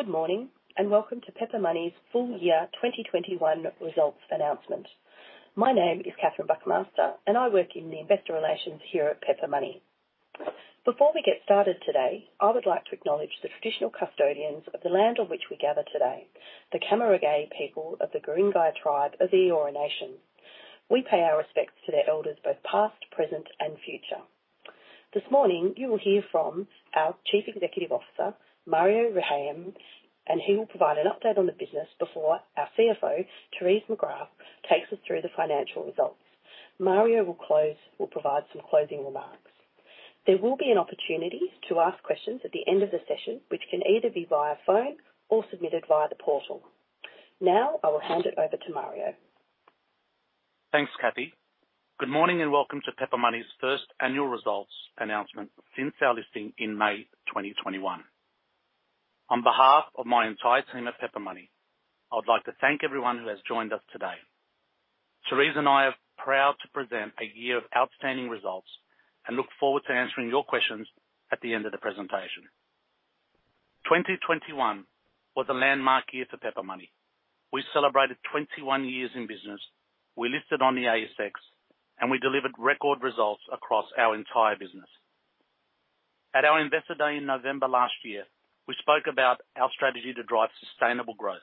Good morning, and welcome to Pepper Money's full year 2021 results announcement. My name is Catherine Buckmaster, and I work in Investor Relations here at Pepper Money. Before we get started today, I would like to acknowledge the traditional custodians of the land on which we gather today, the Cammeraygal people of the Guringai tribe of the Eora Nation. We pay our respects to their elders, both past, present, and future. This morning, you will hear from our Chief Executive Officer, Mario Rehayem, and he will provide an update on the business before our CFO, Therese McGrath, takes us through the financial results. Mario will provide some closing remarks. There will be an opportunity to ask questions at the end of the session, which can either be via phone or submitted via the portal. Now, I will hand it over to Mario. Thanks, Cathy. Good morning, and welcome to Pepper Money's first annual results announcement since our listing in May 2021. On behalf of my entire team at Pepper Money, I would like to thank everyone who has joined us today. Therese and I are proud to present a year of outstanding results and look forward to answering your questions at the end of the presentation. 2021 was a landmark year for Pepper Money. We celebrated 21 years in business. We listed on the ASX, and we delivered record results across our entire business. At our Investor Day in November last year, we spoke about our strategy to drive sustainable growth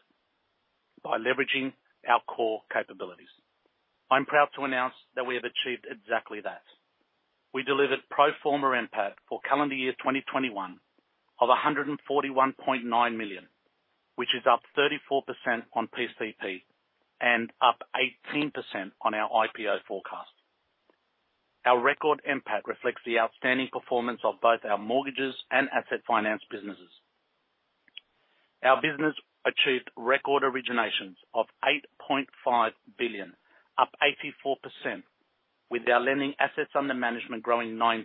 by leveraging our core capabilities. I'm proud to announce that we have achieved exactly that. We delivered pro forma NPAT for calendar year 2021 of 141.9 million, which is up 34% on PCP and up 18% on our IPO forecast. Our record NPAT reflects the outstanding performance of both our mortgages and asset finance businesses. Our business achieved record originations of AUD 8.5 billion, up 84%, with our lending assets under management growing 19%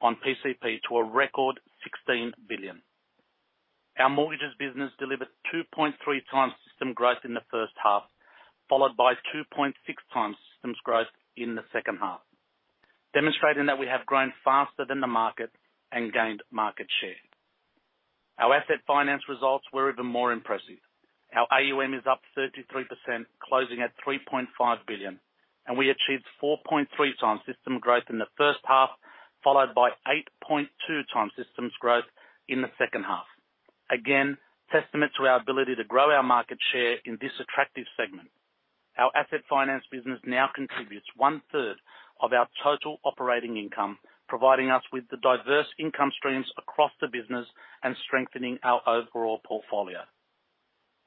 on PCP to a record 16 billion. Our mortgages business delivered 2.3x system growth in the first half, followed by 2.6 times systems growth in the second half, demonstrating that we have grown faster than the market and gained market share. Our asset finance results were even more impressive. Our AUM is up 33%, closing at 3.5 billion, and we achieved 4.3x system growth in the first half, followed by 8.2x systems growth in the second half. Again, testament to our ability to grow our market share in this attractive segment. Our asset finance business now contributes 1/3 of our total operating income, providing us with the diverse income streams across the business and strengthening our overall portfolio.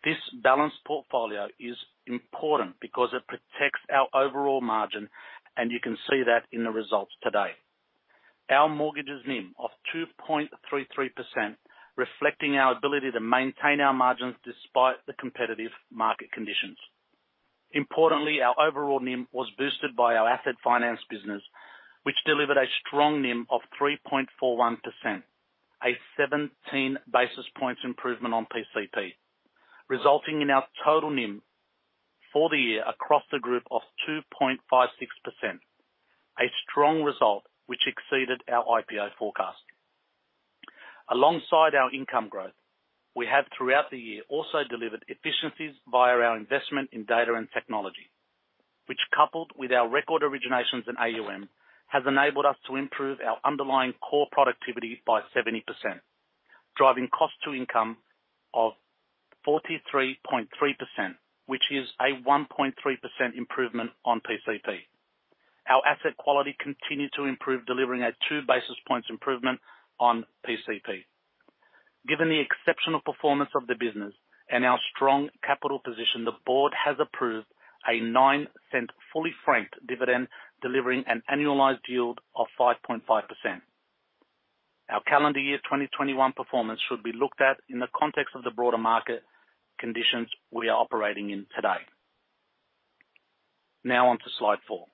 This balanced portfolio is important because it protects our overall margin, and you can see that in the results today. Our mortgages NIM of 2.33%, reflecting our ability to maintain our margins despite the competitive market conditions. Importantly, our overall NIM was boosted by our asset finance business, which delivered a strong NIM of 3.41%, a 17 basis points improvement on PCP, resulting in our total NIM for the year across the group of 2.56%, a strong result which exceeded our IPO forecast. Alongside our income growth, we have throughout the year also delivered efficiencies via our investment in data and technology, which, coupled with our record originations and AUM, has enabled us to improve our underlying core productivity by 70%, driving cost to income of 43.3%, which is a 1.3% improvement on PCP. Our asset quality continued to improve, delivering a 2 basis points improvement on PCP. Given the exceptional performance of the business and our strong capital position, the board has approved a 0.09 fully franked dividend, delivering an annualized yield of 5.5%. Our calendar year 2021 performance should be looked at in the context of the broader market conditions we are operating in today. Now on to slide four.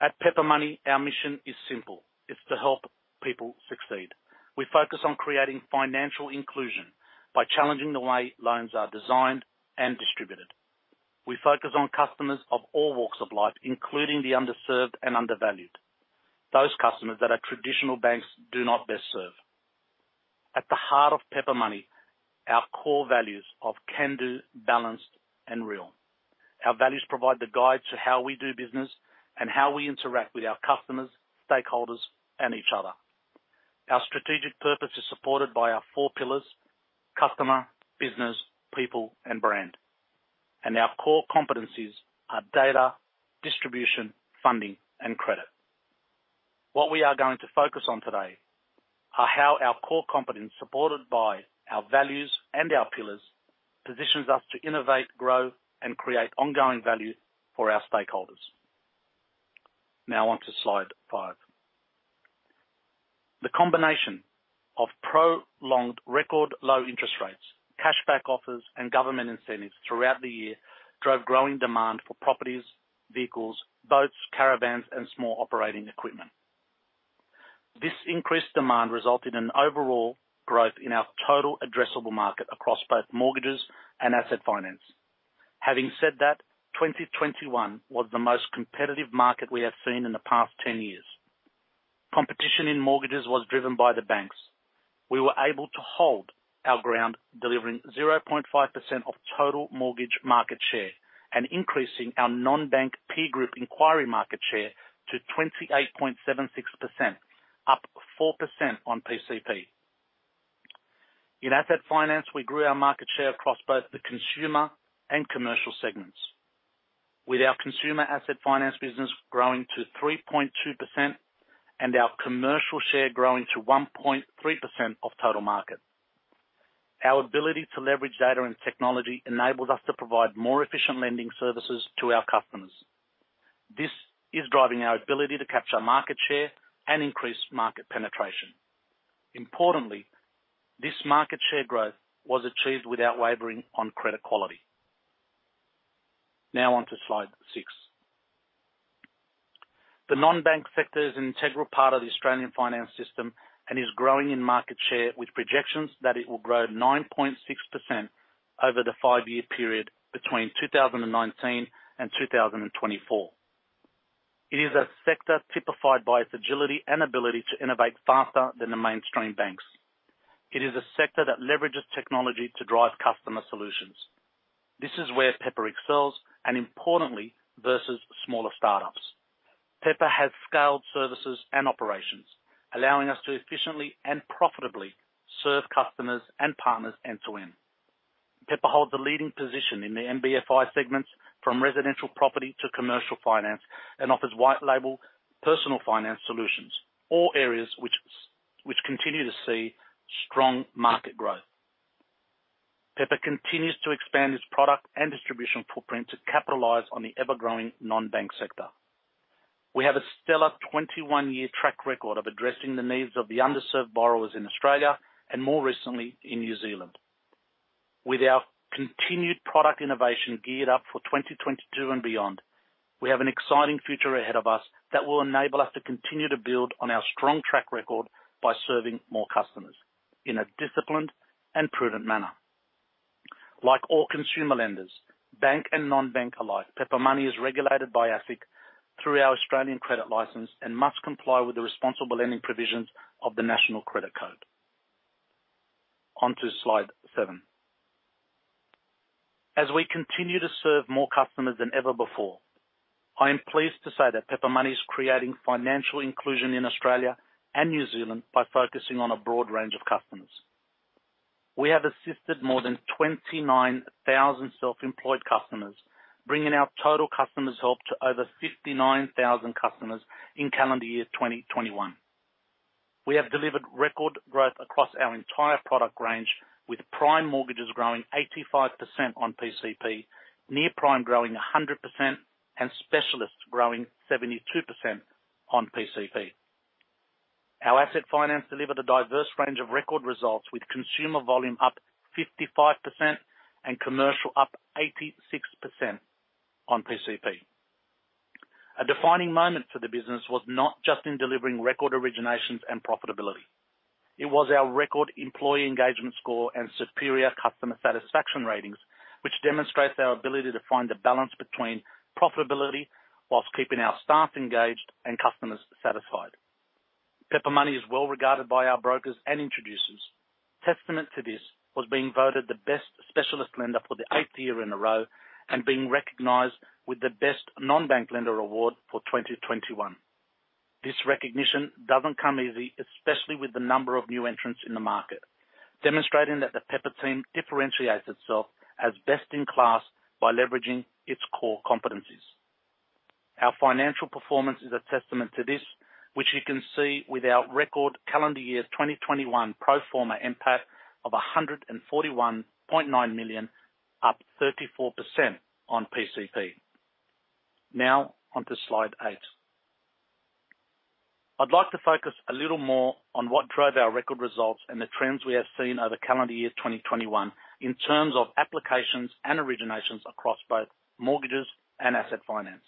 At Pepper Money, our mission is simple. It's to help people succeed. We focus on creating financial inclusion by challenging the way loans are designed and distributed. We focus on customers of all walks of life, including the underserved and undervalued, those customers that our traditional banks do not best serve. At the heart of Pepper Money are our core values of can-do, balanced, and real. Our values provide the guide to how we do business and how we interact with our customers, stakeholders, and each other. Our strategic purpose is supported by our four pillars: customer, business, people, and brand. Our core competencies are data, distribution, funding, and credit. What we are going to focus on today are how our core competence, supported by our values and our pillars, positions us to innovate, grow, and create ongoing value for our stakeholders. Now on to slide five. The combination of prolonged record low interest rates, cashback offers, and government incentives throughout the year drove growing demand for properties, vehicles, boats, caravans, and small operating equipment. This increased demand resulted in overall growth in our total addressable market across both mortgages and asset finance. Having said that, 2021 was the most competitive market we have seen in the past 10 years. Competition in mortgages was driven by the banks. We were able to hold our ground, delivering 0.5% of total mortgage market share and increasing our non-bank peer group inquiry market share to 28.76%, up 4% on PCP. In asset finance, we grew our market share across both the consumer and commercial segments. With our consumer asset finance business growing to 3.2% and our commercial share growing to 1.3% of total market. Our ability to leverage data and technology enables us to provide more efficient lending services to our customers. This is driving our ability to capture market share and increase market penetration. Importantly, this market share growth was achieved without wavering on credit quality. Now on to slide six. The non-bank sector is an integral part of the Australian finance system and is growing in market share, with projections that it will grow 9.6% over the five-year period between 2019 and 2024. It is a sector typified by its agility and ability to innovate faster than the mainstream banks. It is a sector that leverages technology to drive customer solutions. This is where Pepper excels, and importantly, versus smaller startups. Pepper has scaled services and operations, allowing us to efficiently and profitably serve customers and partners end to end. Pepper holds a leading position in the NBFI segments, from residential property to commercial finance, and offers white label personal finance solutions, all areas which continue to see strong market growth. Pepper continues to expand its product and distribution footprint to capitalize on the ever-growing non-bank sector. We have a stellar 21-year track record of addressing the needs of the underserved borrowers in Australia and more recently in New Zealand. With our continued product innovation geared up for 2022 and beyond, we have an exciting future ahead of us that will enable us to continue to build on our strong track record by serving more customers in a disciplined and prudent manner. Like all consumer lenders, bank and non-bank alike, Pepper Money is regulated by ASIC through our Australian credit license and must comply with the responsible lending provisions of the National Credit Code. On to slide seven. As we continue to serve more customers than ever before, I am pleased to say that Pepper Money is creating financial inclusion in Australia and New Zealand by focusing on a broad range of customers. We have assisted more than 29,000 self-employed customers, bringing our total customers helped to over 59,000 customers in calendar year 2021. We have delivered record growth across our entire product range, with prime mortgages growing 85% on PCP, near prime growing 100%, and specialists growing 72% on PCP. Our asset finance delivered a diverse range of record results, with consumer volume up 55% and commercial up 86% on PCP. A defining moment for the business was not just in delivering record originations and profitability. It was our record employee engagement score and superior customer satisfaction ratings, which demonstrates our ability to find a balance between profitability while keeping our staff engaged and customers satisfied. Pepper Money is well-regarded by our brokers and introducers. Testament to this was being voted the best specialist lender for the 8th year in a row and being recognized with the Best Non-Bank Lender award for 2021. This recognition doesn't come easy, especially with the number of new entrants in the market, demonstrating that the Pepper team differentiates itself as best in class by leveraging its core competencies. Our financial performance is a testament to this, which you can see with our record calendar year 2021 pro forma NPAT of 141.9 million, up 34% on PCP. Now on to slide eight. I'd like to focus a little more on what drove our record results and the trends we have seen over calendar year 2021 in terms of applications and originations across both mortgages and asset finance,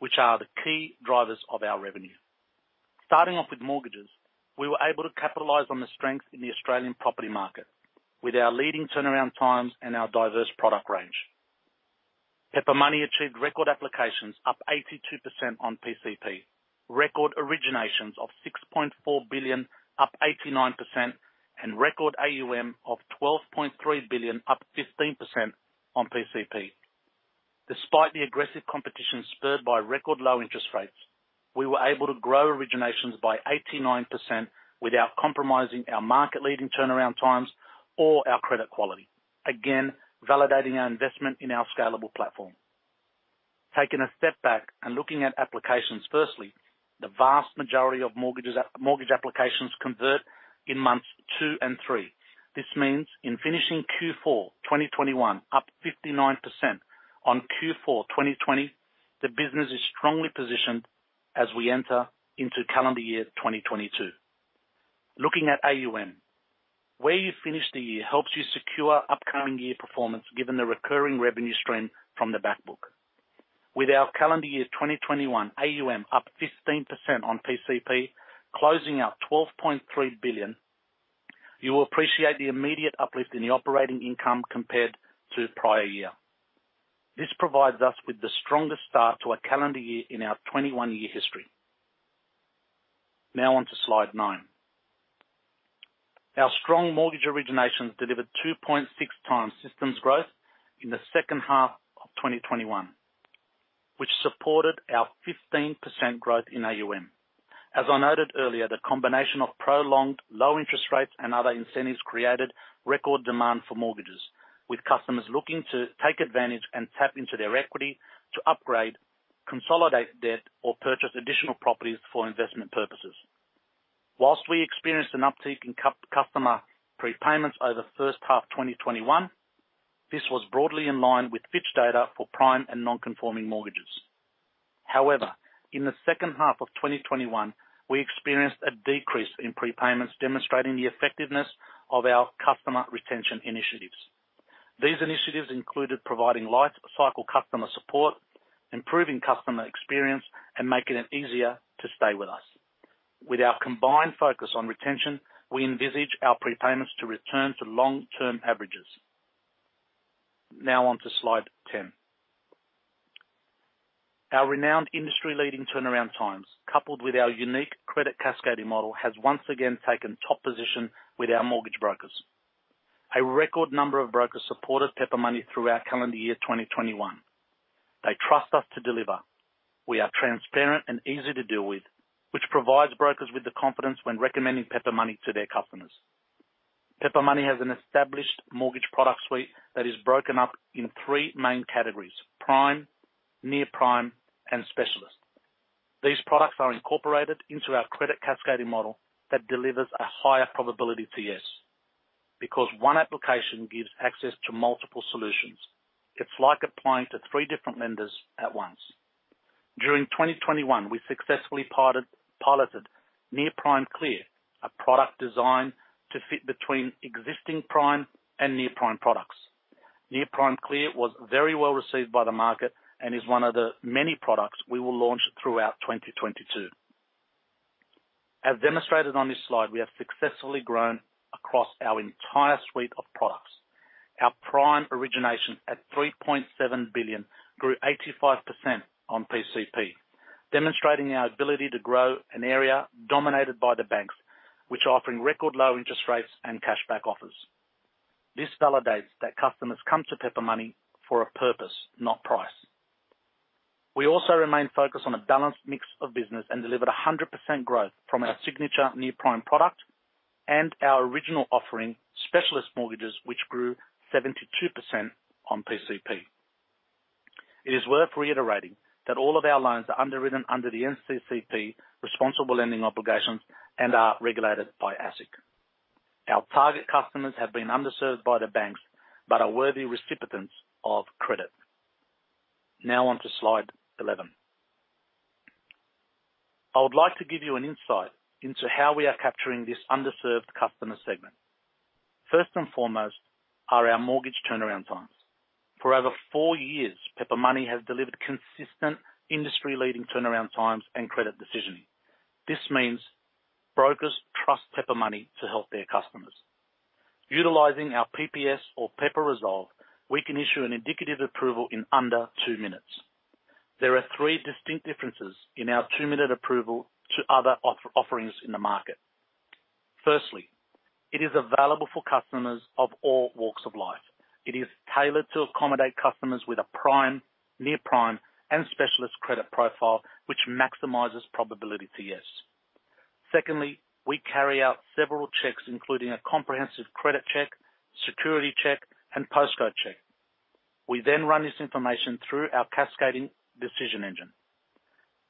which are the key drivers of our revenue. Starting off with mortgages, we were able to capitalize on the strength in the Australian property market with our leading turnaround times and our diverse product range. Pepper Money achieved record applications up 82% on PCP, record originations of 6.4 billion, up 89%, and record AUM of 12.3 billion, up 15% on PCP. Despite the aggressive competition spurred by record low interest rates, we were able to grow originations by 89% without compromising our market-leading turnaround times or our credit quality, again, validating our investment in our scalable platform. Taking a step back and looking at applications firstly, the vast majority of mortgage applications convert in months two and three. This means in finishing Q4 2021 up 59% on Q4 2020, the business is strongly positioned as we enter into calendar year 2022. Looking at AUM, where you finish the year helps you secure upcoming year performance, given the recurring revenue stream from the back book. With our calendar year 2021 AUM up 15% on PCP, closing our AUD 12.3 billion, you will appreciate the immediate uplift in the operating income compared to prior year. This provides us with the strongest start to a calendar year in our 21-year history. Now on to slide nine. Our strong mortgage originations delivered 2.6x systems growth in the second half of 2021, which supported our 15% growth in AUM. As I noted earlier, the combination of prolonged low interest rates and other incentives created record demand for mortgages, with customers looking to take advantage and tap into their equity to upgrade, consolidate debt or purchase additional properties for investment purposes. While we experienced an uptick in customer prepayments over the first half 2021, this was broadly in line with Fitch data for prime and non-conforming mortgages. However, in the second half of 2021, we experienced a decrease in prepayments, demonstrating the effectiveness of our customer retention initiatives. These initiatives included providing life cycle customer support, improving customer experience and making it easier to stay with us. With our combined focus on retention, we envisage our prepayments to return to long-term averages. Now on to slide 10. Our renowned industry-leading turnaround times, coupled with our unique credit cascading model, has once again taken top position with our mortgage brokers. A record number of brokers supported Pepper Money throughout calendar year 2021. They trust us to deliver. We are transparent and easy to deal with, which provides brokers with the confidence when recommending Pepper Money to their customers. Pepper Money has an established mortgage product suite that is broken up in three main categories, prime, near prime and specialist. These products are incorporated into our credit cascading model that delivers a higher probability to yes, because one application gives access to multiple solutions. It's like applying to three different lenders at once. During 2021, we successfully piloted Near Prime Clear, a product designed to fit between existing prime and near prime products. Near Prime Clear was very well received by the market and is one of the many products we will launch throughout 2022. As demonstrated on this slide, we have successfully grown across our entire suite of products. Our prime origination at 3.7 billion grew 85% on PCP, demonstrating our ability to grow an area dominated by the banks, which are offering record low interest rates and cashback offers. This validates that customers come to Pepper Money for a purpose, not price. We also remain focused on a balanced mix of business and delivered 100% growth from our signature near prime product and our original offering, specialist mortgages, which grew 72% on PCP. It is worth reiterating that all of our loans are underwritten under the NCCP responsible lending obligations and are regulated by ASIC. Our target customers have been underserved by the banks, but are worthy recipients of credit. Now on to slide 11. I would like to give you an insight into how we are capturing this underserved customer segment. First and foremost are our mortgage turnaround times. For over four years, Pepper Money has delivered consistent industry-leading turnaround times and credit decisioning. This means brokers trust Pepper Money to help their customers. Utilizing our PPS or Pepper Resolve, we can issue an indicative approval in under two minutes. There are three distinct differences in our two-minute approval to other offerings in the market. Firstly, it is available for customers of all walks of life. It is tailored to accommodate customers with a prime, near prime and specialist credit profile, which maximizes probability to yes. Secondly, we carry out several checks, including a comprehensive credit check, security check, and postcode check. We then run this information through our cascading decision engine.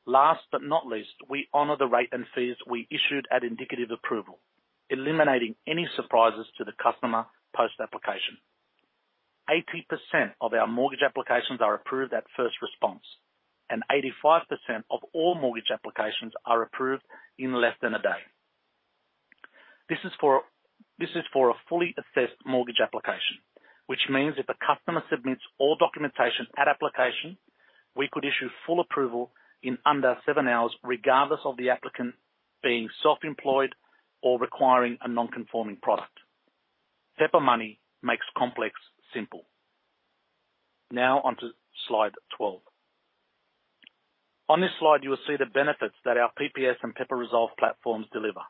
Last but not least, we honor the rate and fees we issued at indicative approval, eliminating any surprises to the customer post application. 80% of our mortgage applications are approved at first response, and 85% of all mortgage applications are approved in less than a day. This is for a fully assessed mortgage application, which means if a customer submits all documentation at application, we could issue full approval in under seven hours, regardless of the applicant being self-employed or requiring a non-conforming product. Pepper Money makes complex simple. Now on to slide 12. On this slide, you will see the benefits that our PPS and Pepper Resolve platforms deliver.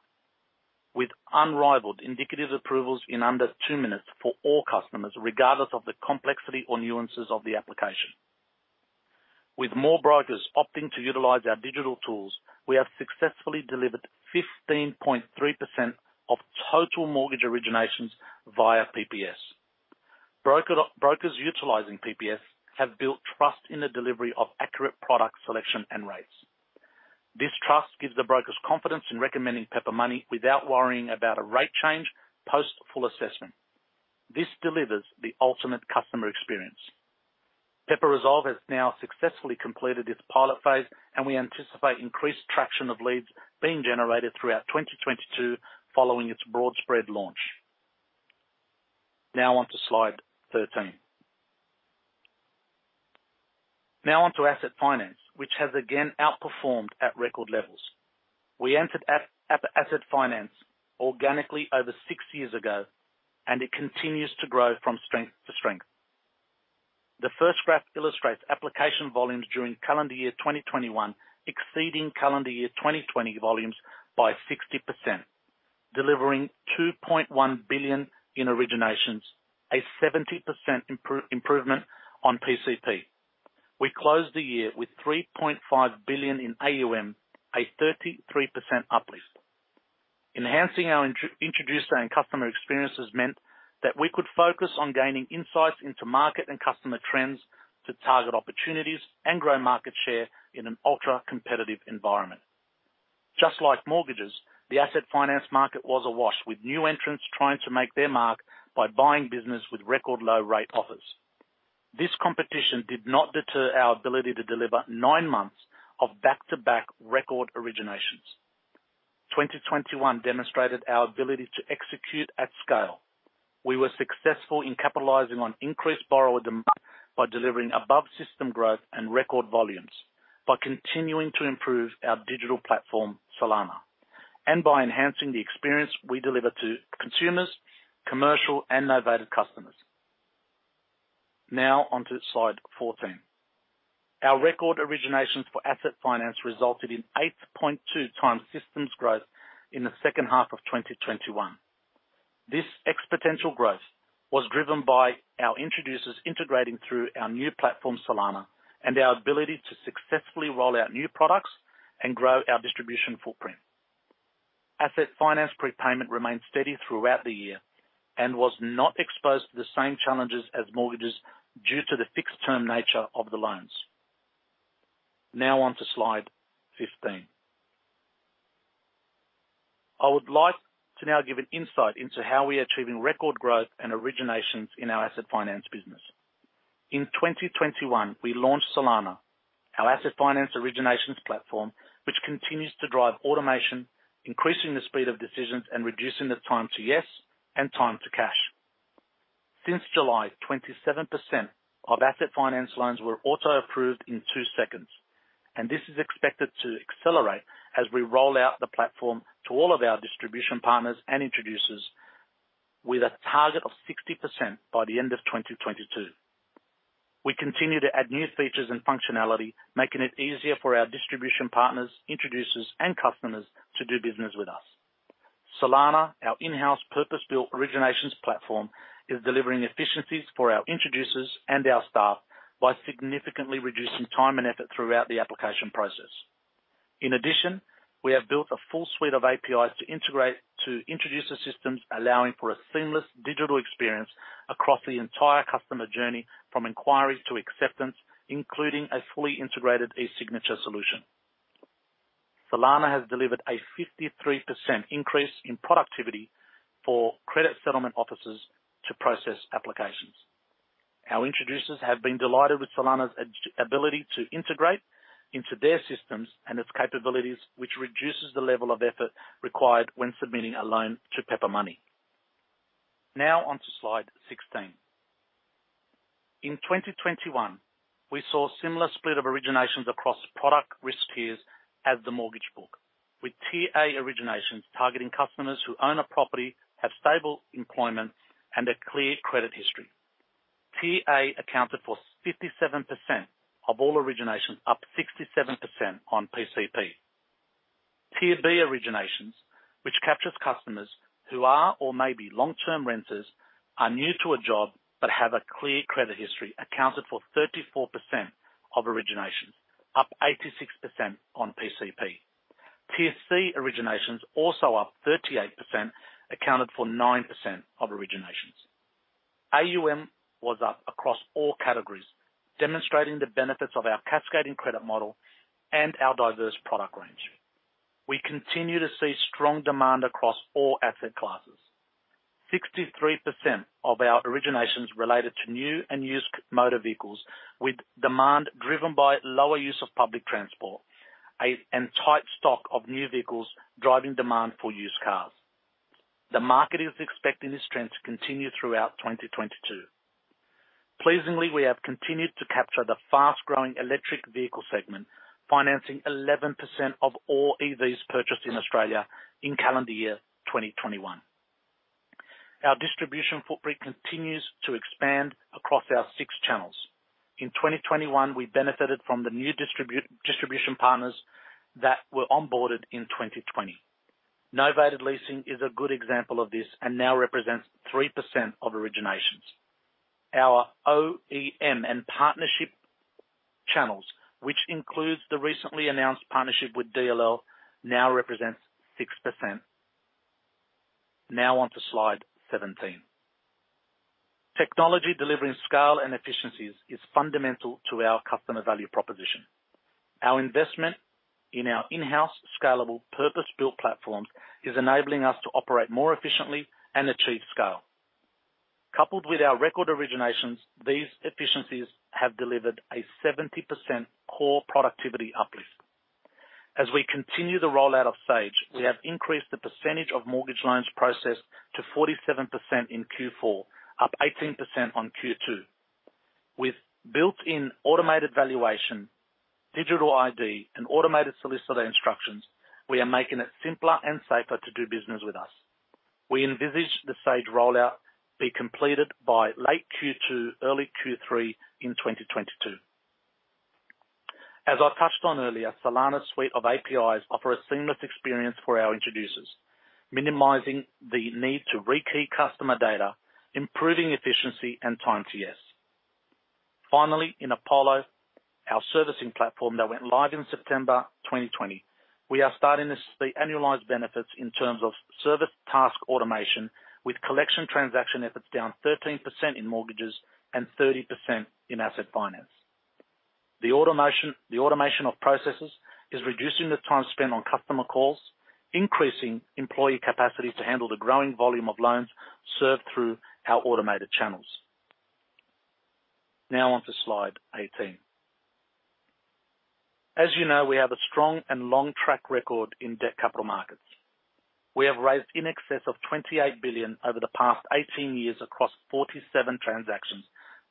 With unrivaled indicative approvals in under two minutes for all customers, regardless of the complexity or nuances of the application. With more brokers opting to utilize our digital tools, we have successfully delivered 15.3% of total mortgage originations via PPS. Brokers utilizing PPS have built trust in the delivery of accurate product selection and rates. This trust gives the brokers confidence in recommending Pepper Money without worrying about a rate change post full assessment. This delivers the ultimate customer experience. Pepper Resolve has now successfully completed its pilot phase, and we anticipate increased traction of leads being generated throughout 2022 following its broad spread launch. Now on to slide 13. Now on to asset finance, which has again outperformed at record levels. We entered asset finance organically over six years ago, and it continues to grow from strength to strength. The first graph illustrates application volumes during calendar year 2021, exceeding calendar year 2020 volumes by 60%, delivering 2.1 billion in originations, a 70% improvement on PCP. We closed the year with 3.5 billion in AUM, a 33% uplift. Enhancing our introducer and customer experiences meant that we could focus on gaining insights into market and customer trends to target opportunities and grow market share in an ultra-competitive environment. Just like mortgages, the asset finance market was awash with new entrants trying to make their mark by buying business with record low rate offers. This competition did not deter our ability to deliver nine months of back-to-back record originations. 2021 demonstrated our ability to execute at scale. We were successful in capitalizing on increased borrower demand by delivering above system growth and record volumes, by continuing to improve our digital platform, SOLANA, and by enhancing the experience we deliver to consumers, commercial and novated customers. Now on to slide 14. Our record originations for asset finance resulted in 8.2x systems growth in the second half of 2021. This exponential growth was driven by our introducers integrating through our new platform, SOLANA, and our ability to successfully roll out new products and grow our distribution footprint. Asset finance prepayment remained steady throughout the year and was not exposed to the same challenges as mortgages due to the fixed term nature of the loans. Now on to slide 15. I would like to now give an insight into how we are achieving record growth and originations in our asset finance business. In 2021, we launched SOLANA, our asset finance originations platform, which continues to drive automation, increasing the speed of decisions and reducing the time to yes and time to cash. Since July, 27% of asset finance loans were auto-approved in two seconds, and this is expected to accelerate as we roll out the platform to all of our distribution partners and introducers with a target of 60% by the end of 2022. We continue to add new features and functionality, making it easier for our distribution partners, introducers, and customers to do business with us. SOLANA, our in-house purpose-built originations platform, is delivering efficiencies for our introducers and our staff by significantly reducing time and effort throughout the application process. In addition, we have built a full suite of APIs to integrate to introducer systems, allowing for a seamless digital experience across the entire customer journey, from inquiries to acceptance, including a fully integrated e-signature solution. SOLANA has delivered a 53% increase in productivity for credit settlement officers to process applications. Our introducers have been delighted with SOLANA's agility to integrate into their systems and its capabilities, which reduces the level of effort required when submitting a loan to Pepper Money. Now on to slide 16. In 2021, we saw a similar split of originations across product risk tiers as the mortgage book, with TA originations targeting customers who own a property, have stable employment, and a clear credit history. TA accounted for 57% of all originations, up 67% on PCP. TB originations, which captures customers who are or may be long-term renters, are new to a job but have a clear credit history, accounted for 34% of originations, up 86% on PCP. TC originations, also up 38%, accounted for 9% of originations. AUM was up across all categories, demonstrating the benefits of our cascading credit model and our diverse product range. We continue to see strong demand across all asset classes. 63% of our originations related to new and used motor vehicles, with demand driven by lower use of public transport and tight stock of new vehicles driving demand for used cars. The market is expecting this trend to continue throughout 2022. Pleasingly, we have continued to capture the fast-growing electric vehicle segment, financing 11% of all EVs purchased in Australia in calendar year 2021. Our distribution footprint continues to expand across our six channels. In 2021, we benefited from the new distribution partners that were onboarded in 2020. Novated leasing is a good example of this and now represents 3% of originations. Our OEM and partnership channels, which includes the recently announced partnership with DLL, now represents 6%. Now on to slide 17. Technology delivering scale and efficiencies is fundamental to our customer value proposition. Our investment in our in-house scalable purpose-built platforms is enabling us to operate more efficiently and achieve scale. Coupled with our record originations, these efficiencies have delivered a 70% core productivity uplift. As we continue the rollout of Sage, we have increased the percentage of mortgage loans processed to 47% in Q4, up 18% on Q2. With built-in automated valuation, digital ID, and automated solicitor instructions, we are making it simpler and safer to do business with us. We envisage the Sage rollout be completed by late Q2, early Q3 in 2022. As I touched on earlier, SOLANA's suite of APIs offer a seamless experience for our introducers, minimizing the need to rekey customer data, improving efficiency and time to yes. Finally, in Apollo, our servicing platform that went live in September 2020, we are starting to see annualized benefits in terms of service task automation, with collection transaction efforts down 13% in mortgages and 30% in asset finance. The automation of processes is reducing the time spent on customer calls, increasing employee capacity to handle the growing volume of loans served through our automated channels. Now on to slide 18. As you know, we have a strong and long track record in debt capital markets. We have raised in excess of AUD 28 billion over the past 18 years across 47 transactions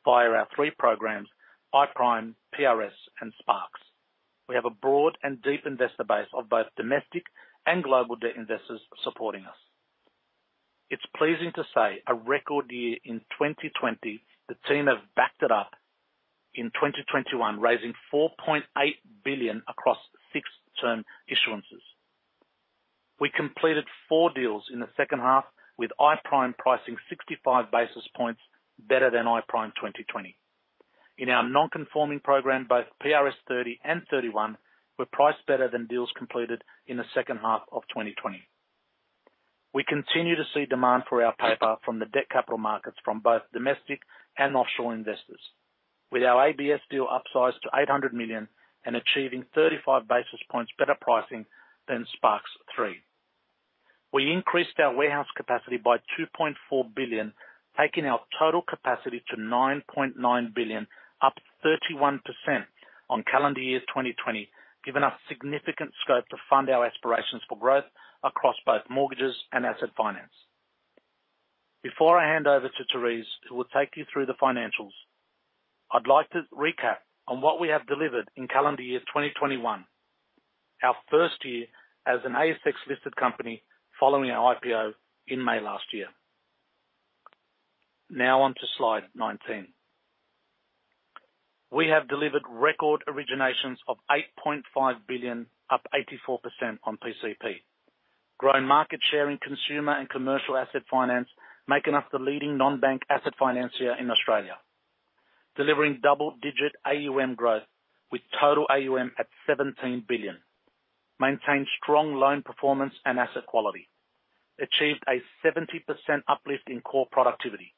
via our three programs, I-Prime, PRS, and SPARKZ. We have a broad and deep investor base of both domestic and global debt investors supporting us. It's pleasing to say a record year in 2020, the team have backed it up in 2021, raising 4.8 billion across six term issuances. We completed four deals in the second half with I-Prime pricing 65 basis points better than I-Prime 2020. In our non-conforming program, both PRS 30 and 31 were priced better than deals completed in the second half of 2020. We continue to see demand for our paper from the debt capital markets from both domestic and offshore investors. With our ABS deal upsized to 800 million and achieving 35 basis points better pricing than SPARKZ 3. We increased our warehouse capacity by 2.4 billion, taking our total capacity to 9.9 billion, up 31% on calendar year 2020, giving us significant scope to fund our aspirations for growth across both mortgages and asset finance. Before I hand over to Therese, who will take you through the financials, I'd like to recap on what we have delivered in calendar year 2021, our first year as an ASX-listed company, following our IPO in May last year. Now on to slide 19. We have delivered record originations of 8.5 billion, up 84% on PCP. Grown market share in consumer and commercial asset finance, making us the leading non-bank asset financier in Australia. Delivering double-digit AUM growth with total AUM at AUD 17 billion. Maintained strong loan performance and asset quality. Achieved a 70% uplift in core productivity.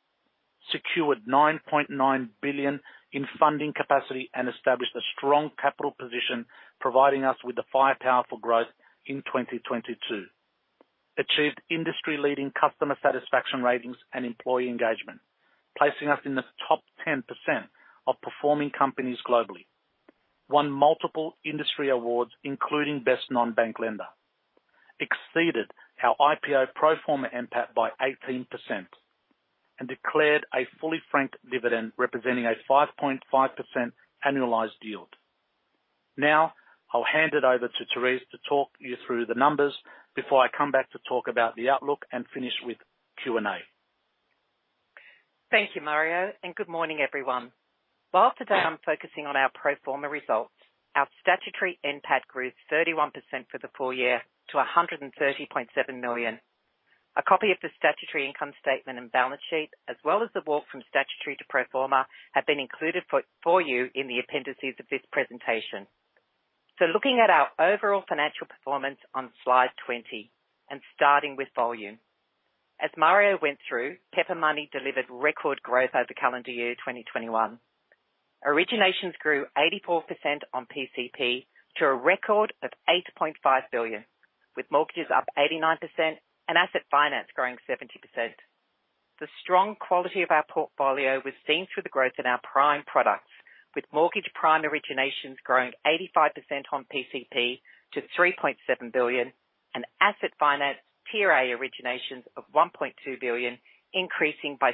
Secured 9.9 billion in funding capacity and established a strong capital position, providing us with the firepower for growth in 2022. Achieved industry-leading customer satisfaction ratings and employee engagement, placing us in the top 10% of performing companies globally. Won multiple industry awards, including Best Non-Bank Lender. Exceeded our IPO pro forma NPAT by 18% and declared a fully franked dividend representing a 5.5% annualized yield. Now, I'll hand it over to Therese to talk you through the numbers before I come back to talk about the outlook and finish with Q&A. Thank you, Mario, and good morning, everyone. While today I'm focusing on our pro forma results, our statutory NPAT grew 31% for the full year to 130.7 million. A copy of the statutory income statement and balance sheet, as well as the walk from statutory to Pro forma, have been included for you in the appendices of this presentation. Looking at our overall financial performance on slide 20 and starting with volume. As Mario went through, Pepper Money delivered record growth over calendar year 2021. Originations grew 84% on PCP to a record of 8.5 billion, with mortgages up 89% and asset finance growing 70%. The strong quality of our portfolio was seen through the growth in our prime products, with mortgage prime originations growing 85% on PCP to 3.7 billion and asset finance tier A originations of 1.2 billion increasing by 67%.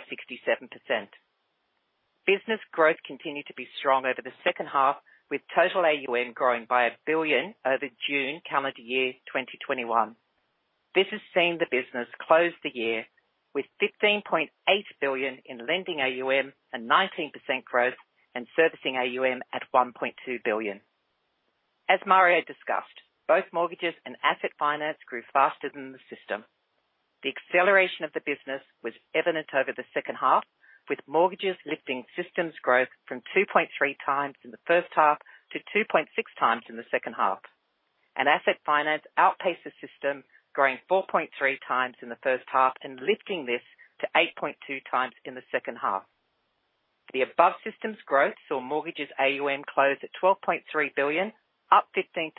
Business growth continued to be strong over the second half, with total AUM growing by 1 billion over June calendar year 2021. This has seen the business close the year with 15.8 billion in lending AUM and 19% growth and servicing AUM at 1.2 billion. As Mario discussed, both mortgages and asset finance grew faster than the system. The acceleration of the business was evident over the second half, with mortgages lifting systems growth from 2.3x in the first half to 2.6x in the second half. Asset finance outpaced the system, growing 4.3x in the first half and lifting this to 8.2x in the second half. The above system growth saw mortgages AUM close at 12.3 billion, up 15%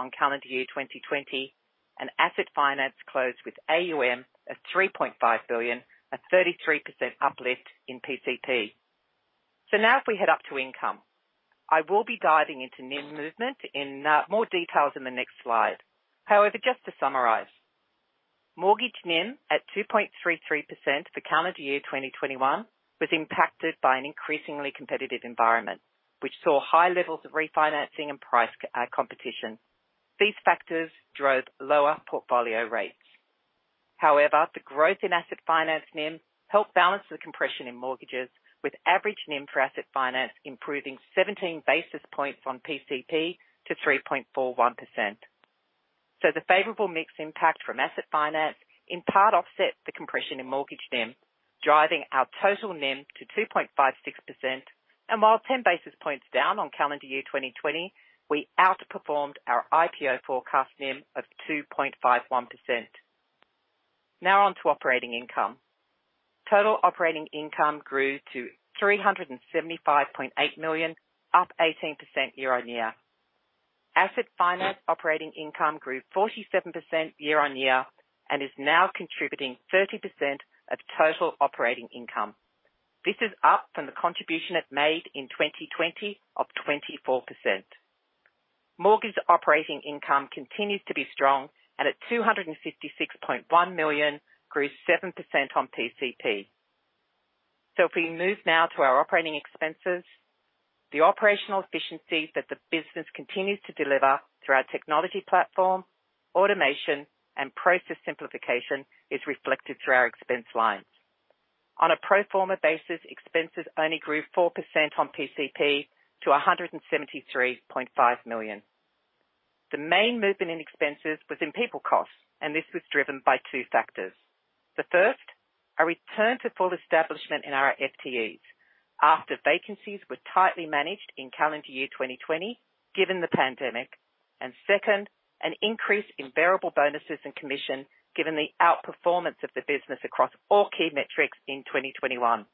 on calendar year 2020, and asset finance closed with AUM at 3.5 billion, a 33% uplift in PCP. Now if we head up to income, I will be diving into NIM movement in more details in the next slide. However, just to summarize. Mortgage NIM at 2.33% for calendar year 2021 was impacted by an increasingly competitive environment, which saw high levels of refinancing and price competition. These factors drove lower portfolio rates. However, the growth in asset finance NIM helped balance the compression in mortgages with average NIM for asset finance improving 17 basis points on PCP to 3.41%. The favorable mix impact from asset finance in part offset the compression in mortgage NIM, driving our total NIM to 2.56%. While 10 basis points down on calendar year 2020, we outperformed our IPO forecast NIM of 2.51%. Now on to operating income. Total operating income grew to 375.8 million, up 18% year on year. Asset finance operating income grew 47% year on year and is now contributing 30% of total operating income. This is up from the contribution it made in 2020 of 24%. Mortgage operating income continues to be strong and at 256.1 million grew 7% on PCP. If we move now to our operating expenses, the operational efficiencies that the business continues to deliver through our technology platform, automation, and process simplification is reflected through our expense lines. On a Pro forma basis, expenses only grew 4% on PCP to 173.5 million. The main movement in expenses was in people costs, and this was driven by two factors. The first, a return to full establishment in our FTEs after vacancies were tightly managed in calendar year 2020, given the pandemic. Second, an increase in variable bonuses and commission, given the outperformance of the business across all key metrics in 2021.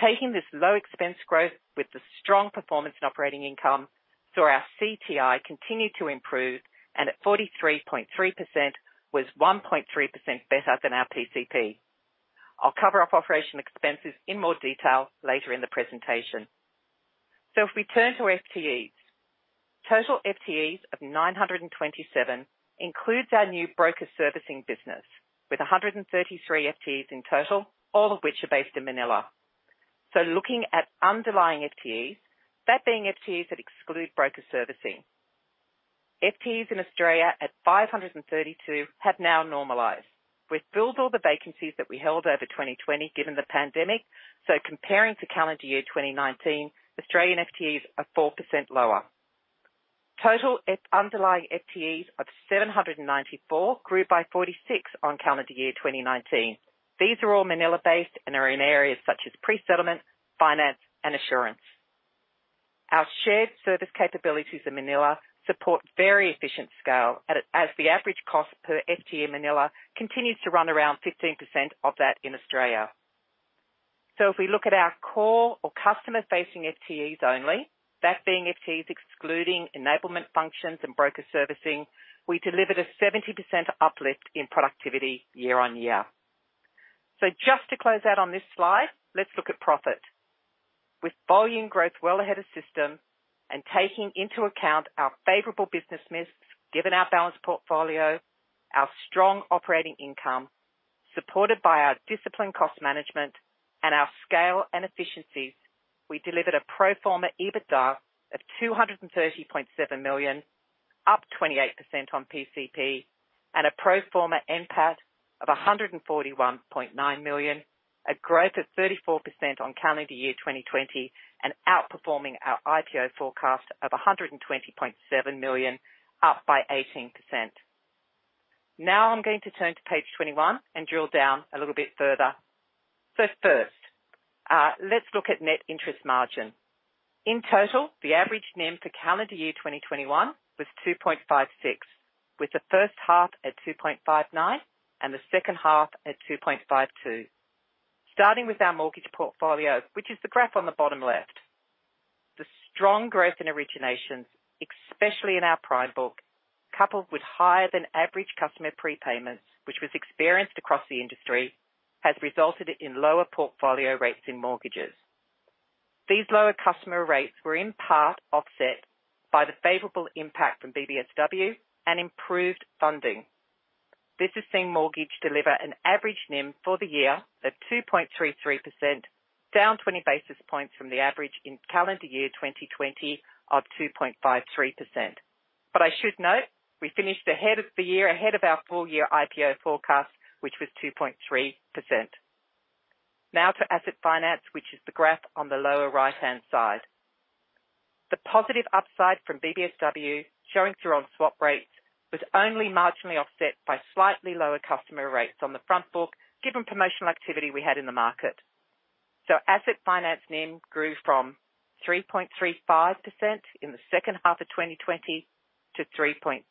Taking this low expense growth with the strong performance in operating income saw our CTI continue to improve and at 43.3% was 1.3% better than our PCP. I'll cover operating expenses in more detail later in the presentation. If we turn to FTEs. Total FTEs of 927 includes our new broker servicing business with 133 FTEs in total, all of which are based in Manila. Looking at underlying FTEs, that being FTEs that exclude broker servicing. FTEs in Australia at 532 have now normalized. We've built all the vacancies that we held over 2020 given the pandemic, so comparing to calendar year 2019, Australian FTEs are 4% lower. Total underlying FTEs of 794 grew by 46 on calendar year 2019. These are all Manila-based and are in areas such as pre-settlement, finance and assurance. Our shared service capabilities in Manila support very efficient scale. As the average cost per FTE in Manila continues to run around 15% of that in Australia. If we look at our core or customer-facing FTEs only, that being FTEs excluding enablement functions and broker servicing, we delivered a 70% uplift in productivity year-on-year. Just to close out on this slide, let's look at profit. With volume growth well ahead of system and taking into account our favorable business mix, given our balanced portfolio, our strong operating income, supported by our disciplined cost management and our scale and efficiencies, we delivered a pro forma EBITDA of 230.7 million, up 28% on PCP, and a pro forma NPAT of 141.9 million, a growth of 34% on calendar year 2020 and outperforming our IPO forecast of 120.7 million, up by 18%. I'm going to turn to page 21 and drill down a little bit further. First, let's look at net interest margin. In total, the average NIM for calendar year 2021 was 2.56%, with the first half at 2.59% and the second half at 2.52%. Starting with our mortgage portfolio, which is the graph on the bottom left. The strong growth in originations, especially in our prime book, coupled with higher than average customer prepayments, which was experienced across the industry, has resulted in lower portfolio rates in mortgages. These lower customer rates were in part offset by the favorable impact from BBSW and improved funding. This has seen mortgage deliver an average NIM for the year of 2.33%, down 20 basis points from the average in calendar year 2020 of 2.53%. I should note, we finished ahead of the year, ahead of our full year IPO forecast, which was 2.3%. Now to asset finance, which is the graph on the lower right-hand side. The positive upside from BBSW showing through on swap rates was only marginally offset by slightly lower customer rates on the front book, given promotional activity we had in the market. Asset finance NIM grew from 3.35% in the second half of 2020 to 3.37%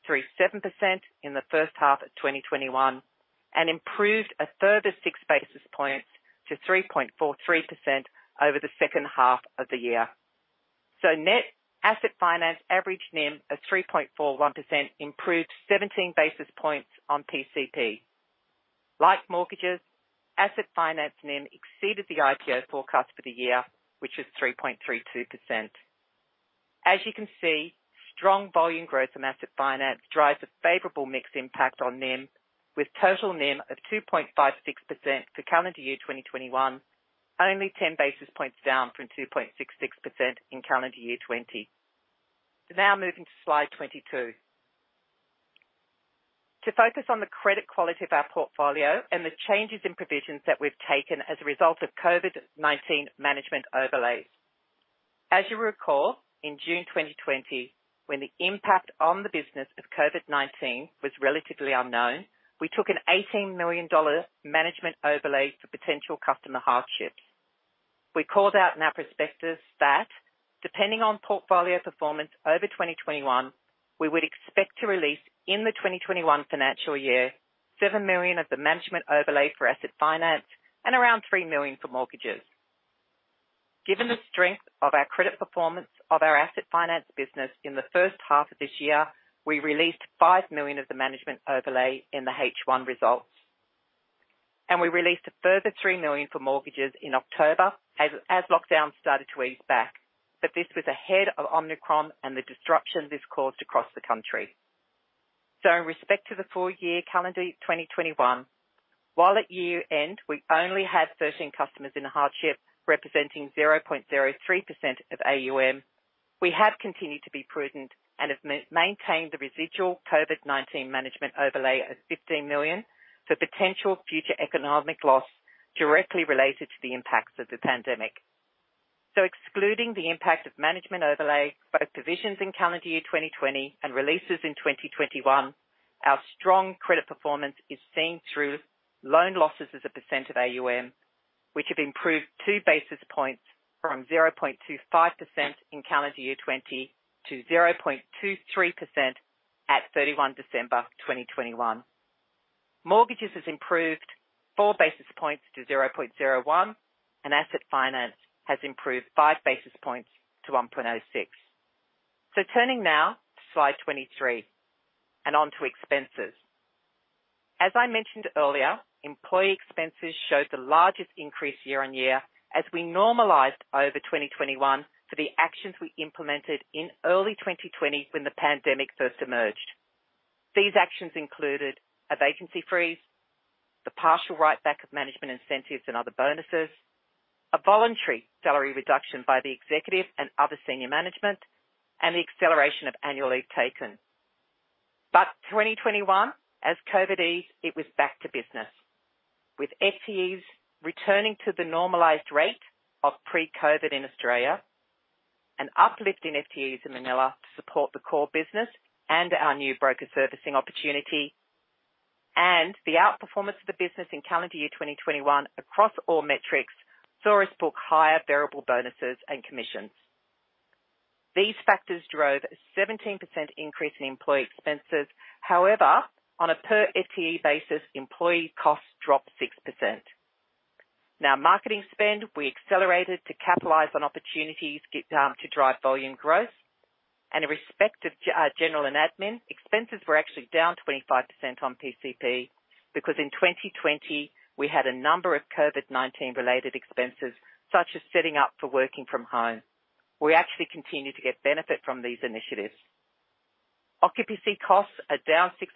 in the first half of 2021 and improved a further 6 basis points to 3.43% over the second half of the year. Net asset finance average NIM of 3.41% improved 17 basis points on PCP. Like mortgages, asset finance NIM exceeded the IPO forecast for the year, which is 3.32%. As you can see, strong volume growth in asset finance drives a favorable mix impact on NIM, with total NIM of 2.56% for calendar year 2021, only 10 basis points down from 2.66% in calendar year 2020. Now moving to slide 22 to focus on the credit quality of our portfolio and the changes in provisions that we've taken as a result of COVID-19 management overlays. As you recall, in June 2020, when the impact on the business of COVID-19 was relatively unknown, we took an 18 million dollar management overlay for potential customer hardships. We called out in our prospectus that depending on portfolio performance over 2021, we would expect to release in the 2021 financial year, 7 million of the management overlay for asset finance and around 3 million for mortgages. Given the strength of our credit performance of our asset finance business in the first half of this year, we released 5 million of the management overlay in the H1 results. We released a further 3 million for mortgages in October as lockdowns started to ease back. This was ahead of Omicron and the disruption this caused across the country. In respect to the full year calendar 2021, while at year-end we only had 13 customers in hardship, representing 0.03% of AUM, we have continued to be prudent and have maintained the residual COVID-19 management overlay of 15 million for potential future economic loss directly related to the impacts of the pandemic. Excluding the impact of management overlay, both provisions in calendar year 2020 and releases in 2021, our strong credit performance is seen through loan losses as a percent of AUM, which have improved 2 basis points from 0.25% in calendar year 2020 to 0.23% at December 31, 2021. Mortgages has improved 4 basis points to 0.01%, and asset finance has improved 5 basis points to 1.06%. Turning now to slide 23 and on to expenses. As I mentioned earlier, employee expenses showed the largest increase year-on-year as we normalized over 2021 for the actions we implemented in early 2020 when the pandemic first emerged. These actions included a vacancy freeze, the partial write-back of management incentives and other bonuses, a voluntary salary reduction by the executive and other senior management, and the acceleration of annual leave taken. 2021, as COVID eased, it was back to business. With FTEs returning to the normalized rate of pre-COVID in Australia, an uplift in FTEs in Manila to support the core business and our new broker servicing opportunity, and the outperformance of the business in calendar year 2021 across all metrics saw us book higher variable bonuses and commissions. These factors drove a 17% increase in employee expenses. However, on a per FTE basis, employee costs dropped 6%. Now, marketing spend, we accelerated to capitalize on opportunities to drive volume growth. In respect of general and admin, expenses were actually down 25% on PCP because in 2020 we had a number of COVID-19 related expenses, such as setting up for working from home. We actually continued to get benefit from these initiatives. Occupancy costs are down 6%,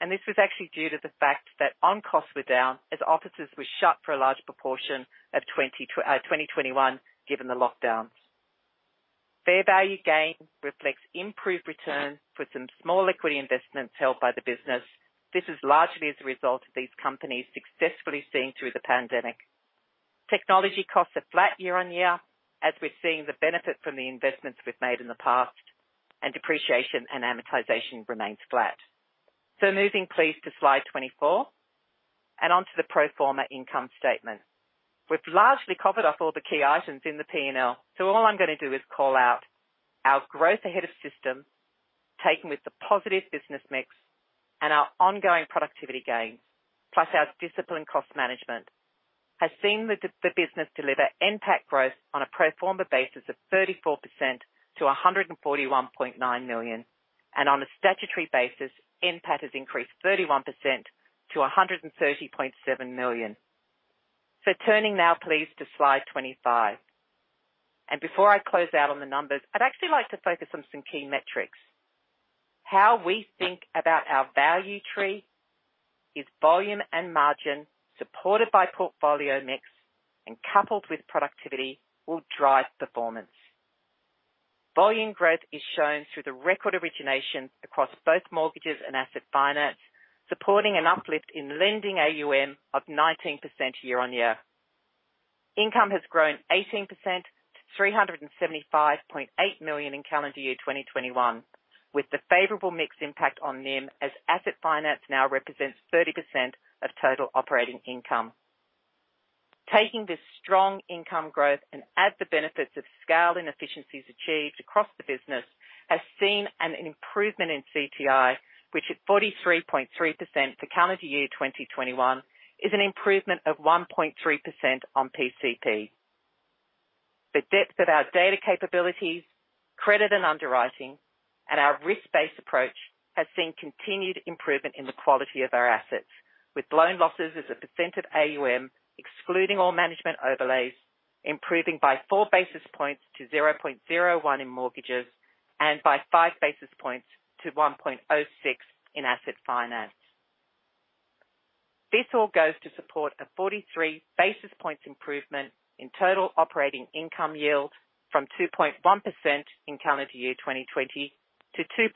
and this was actually due to the fact that on costs were down as offices were shut for a large proportion of 2021, given the lockdowns. Fair value gain reflects improved returns for some small equity investments held by the business. This is largely as a result of these companies successfully seeing through the pandemic. Technology costs are flat year-on-year, as we're seeing the benefit from the investments we've made in the past, and depreciation and amortization remains flat. Moving please to slide 24 and onto the pro forma income statement. We've largely covered off all the key items in the P&L, so all I'm gonna do is call out our growth ahead of system, taken with the positive business mix and our ongoing productivity gains, plus our disciplined cost management, has seen the business deliver NPAT growth on a pro forma basis of 34% to 141.9 million. On a statutory basis, NPAT has increased 31% to 130.7 million. Turning now please to slide 25. Before I close out on the numbers, I'd actually like to focus on some key metrics. How we think about our value tree is volume and margin, supported by portfolio mix and coupled with productivity, will drive performance. Volume growth is shown through the record origination across both mortgages and asset finance, supporting an uplift in lending AUM of 19% year-on-year. Income has grown 18% to 375.8 million in calendar year 2021, with the favorable mix impact on NIM as asset finance now represents 30% of total operating income. Taking this strong income growth and add the benefits of scale and efficiencies achieved across the business has seen an improvement in CTI, which at 43.3% for calendar year 2021 is an improvement of 1.3% on PCP. The depth of our data capabilities, credit and underwriting, and our risk-based approach has seen continued improvement in the quality of our assets, with loan losses as a percent of AUM, excluding all management overlays, improving by 4 basis points to 0.01 in mortgages and by 5 basis points to 1.06 in asset finance. This all goes to support a 43 basis points improvement in total operating income yield from 2.1% in calendar year 2020 to 2.4% in calendar year 2021. The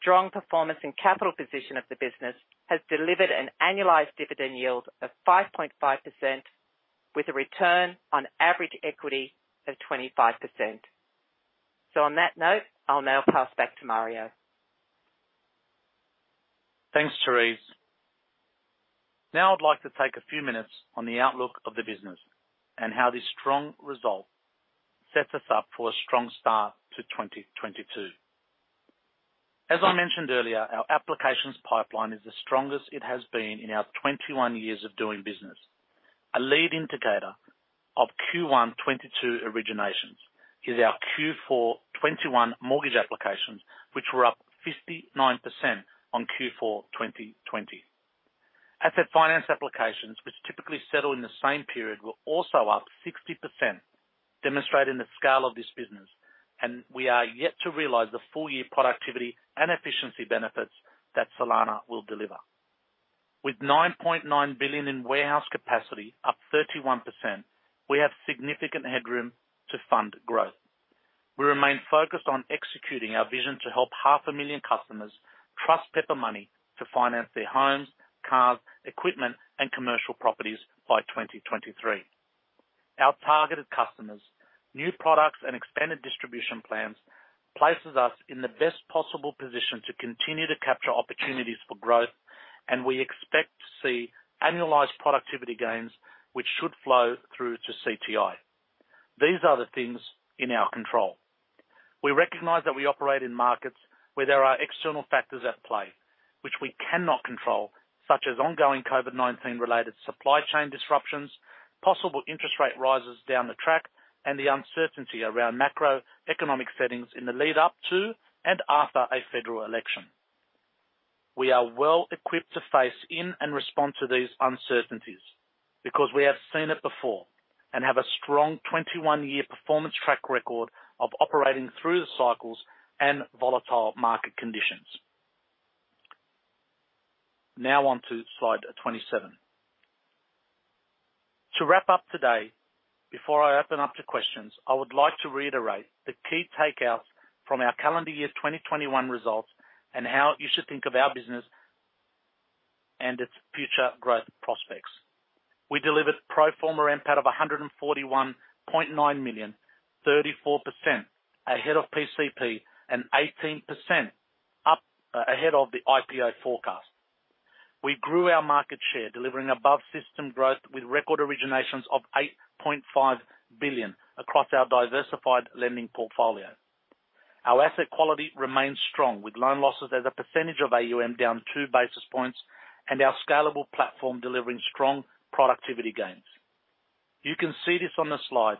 strong performance and capital position of the business has delivered an annualized dividend yield of 5.5% with a return on average equity of 25%. On that note, I'll now pass back to Mario. Thanks, Therese. Now I'd like to take a few minutes on the outlook of the business and how this strong result sets us up for a strong start to 2022. As I mentioned earlier, our applications pipeline is the strongest it has been in our 21 years of doing business. A lead indicator of Q1 2022 originations is our Q4 2021 mortgage applications, which were up 59% on Q4 2020. Asset finance applications, which typically settle in the same period, were also up 60%, demonstrating the scale of this business, and we are yet to realize the full year productivity and efficiency benefits that SOLANA will deliver. With 9.9 billion in warehouse capacity, up 31%, we have significant headroom to fund growth. We remain focused on executing our vision to help 500,000 customers trust Pepper Money to finance their homes, cars, equipment, and commercial properties by 2023. Our targeted customers, new products, and expanded distribution plans places us in the best possible position to continue to capture opportunities for growth, and we expect to see annualized productivity gains, which should flow through to CTI. These are the things in our control. We recognize that we operate in markets where there are external factors at play, which we cannot control, such as ongoing COVID-19 related supply chain disruptions, possible interest rate rises down the track, and the uncertainty around macroeconomic settings in the lead up to and after a federal election. We are well equipped to face in and respond to these uncertainties because we have seen it before and have a strong 21-year performance track record of operating through the cycles and volatile market conditions. Now on to slide 27. To wrap up today, before I open up to questions, I would like to reiterate the key takeaways from our calendar year 2021 results and how you should think of our business and its future growth prospects. We delivered pro forma NPAT of 141.9 million, 34% ahead of PCP and 18% up, ahead of the IPO forecast. We grew our market share, delivering above system growth with record originations of 8.5 billion across our diversified lending portfolio. Our asset quality remains strong with loan losses as a percentage of AUM down two basis points and our scalable platform delivering strong productivity gains. You can see this on the slide.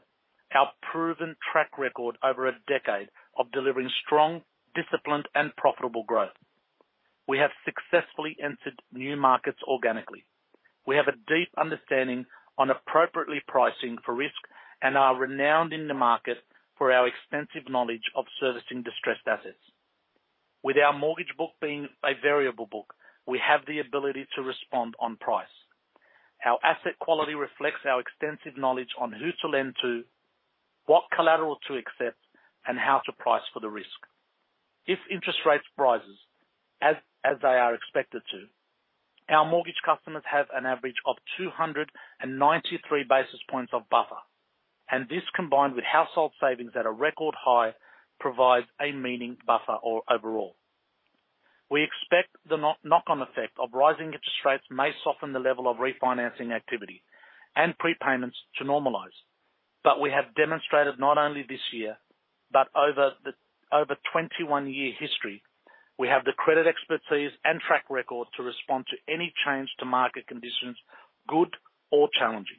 Our proven track record over a decade of delivering strong, disciplined and profitable growth. We have successfully entered new markets organically. We have a deep understanding of appropriately pricing for risk and are renowned in the market for our extensive knowledge of servicing distressed assets. With our mortgage book being a variable book, we have the ability to respond on price. Our asset quality reflects our extensive knowledge of who to lend to, what collateral to accept, and how to price for the risk. If interest rates rises as they are expected to, our mortgage customers have an average of 293 basis points of buffer, and this, combined with household savings at a record high, provides a meaningful buffer overall. We expect the knock-on effect of rising interest rates may soften the level of refinancing activity and prepayments to normalize. We have demonstrated not only this year but over the 21-year history, we have the credit expertise and track record to respond to any change to market conditions, good or challenging.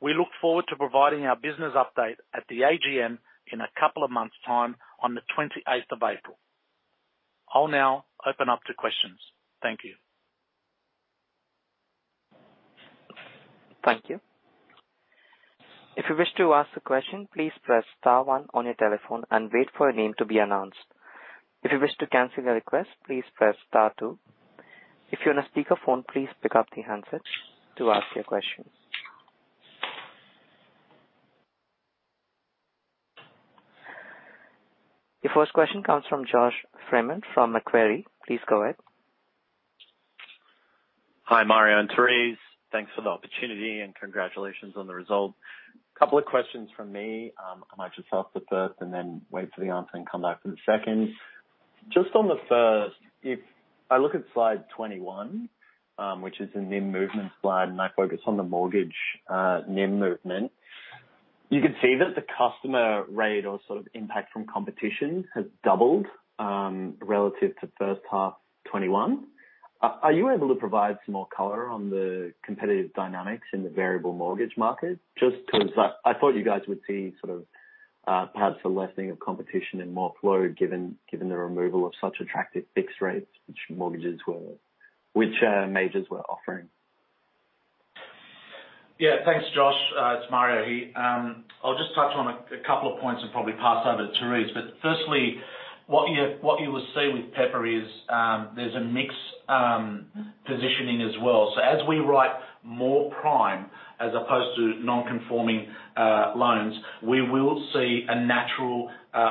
We look forward to providing our business update at the AGM in a couple of months' time on the 28th of April. I'll now open up to questions. Thank you. Thank you. If you wish to ask a question, please press star one on your telephone and wait for your name to be announced. If you wish to cancel your request, please press star two. If you're on a speaker phone, please pick up the handset to ask your question. Your first question comes from Josh Freeman from Macquarie. Please go ahead. Hi, Mario and Therese. Thanks for the opportunity and congratulations on the result. Couple of questions from me. I might just ask the first and then wait for the answer and come back for the second. Just on the first, if I look at slide 21, which is a NIM movement slide, and I focus on the mortgage NIM movement. You could see that the customer rate or sort of impact from competition has doubled relative to first half 2021. Are you able to provide some more color on the competitive dynamics in the variable mortgage market? Just 'cause I thought you guys would see sort of perhaps a lessening of competition and more flow given the removal of such attractive fixed rates which majors were offering. Yeah, thanks, Josh. It's Mario here. I'll just touch on a couple of points and probably pass over to Therese. Firstly, what you will see with Pepper is, there's a mix, positioning as well. As we write more prime as opposed to non-conforming loans, we will see a natural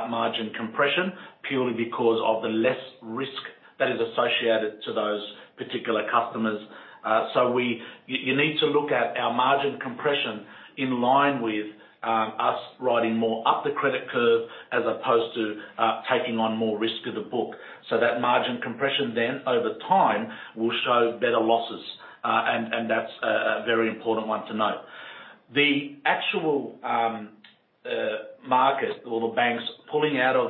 margin compression purely because of the less risk that is associated to those particular customers. You need to look at our margin compression in line with us writing more up the credit curve as opposed to taking on more risk of the book. That margin compression then over time will show better losses. And that's a very important one to note. The actual market or the banks pulling out of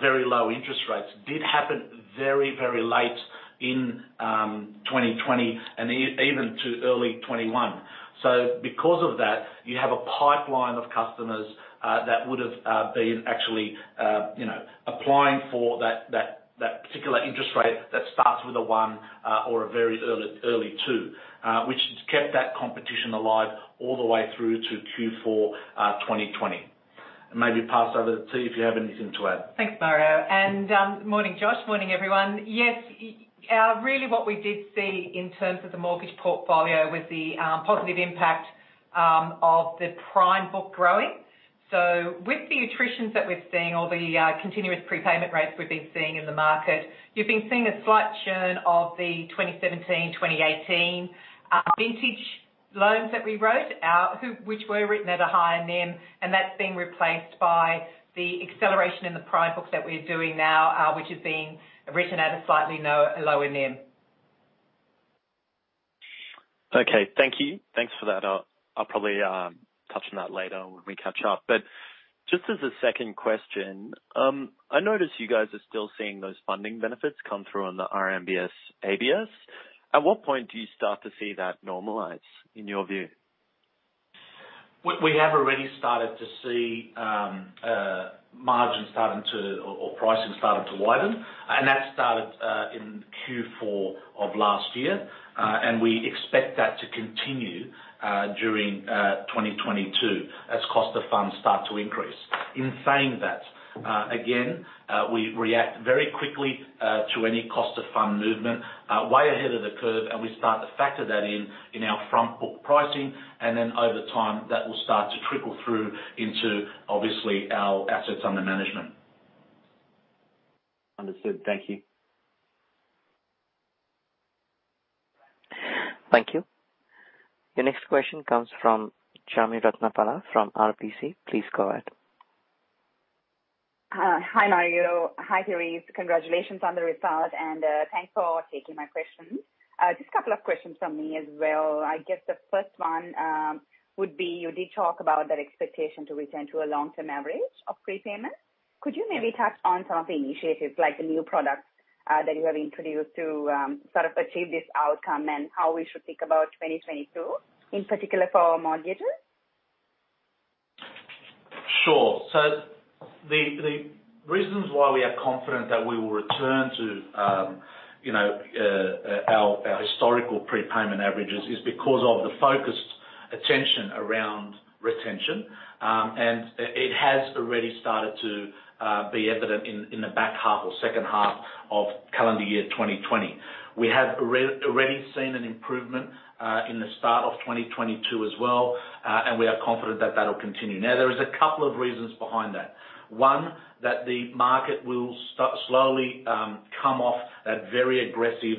very low interest rates did happen very, very late in 2020 and even to early 2021. Because of that, you have a pipeline of customers that would've been actually you know applying for that that particular interest rate that starts with a one or a very early early two which has kept that competition alive all the way through to Q4 2020. Maybe pass over to Therese, if you have anything to add. Thanks, Mario. Morning, Josh, morning, everyone. Yes. Really what we did see in terms of the mortgage portfolio was the positive impact of the prime book growing. With the attritions that we're seeing or the continuous prepayment rates we've been seeing in the market, you've been seeing a slight churn of the 2017, 2018 vintage loans that we wrote out, which were written at a higher NIM, and that's been replaced by the acceleration in the prime books that we're doing now, which is being written at a slightly lower NIM. Okay, thank you. Thanks for that. I'll probably touch on that later when we catch up. Just as a second question, I notice you guys are still seeing those funding benefits come through on the RMBS ABS. At what point do you start to see that normalize, in your view? We have already started to see pricing starting to widen, and that started in Q4 of last year. We expect that to continue during 2022 as cost of funds start to increase. In saying that, again, we react very quickly to any cost of fund movement way ahead of the curve, and we start to factor that in our front book pricing. Over time, that will start to trickle through into, obviously, our assets under management. Understood. Thank you. Thank you. Your next question comes from Chami Ratnapala from RBC. Please go ahead. Hi, Mario. Hi, Therese. Congratulations on the result and thanks for taking my questions. Just a couple of questions from me as well. I guess the first one would be you did talk about that expectation to return to a long-term average of prepayment. Yeah. Could you maybe touch on some of the initiatives, like the new products, that you have introduced to sort of achieve this outcome and how we should think about 2022, in particular for mortgages? The reasons why we are confident that we will return to our historical prepayment averages is because of the focused attention around retention. It has already started to be evident in the back half or second half of calendar year 2020. We have already seen an improvement in the start of 2022 as well, and we are confident that that'll continue. Now, there is a couple of reasons behind that. One, that the market will slowly come off at very aggressive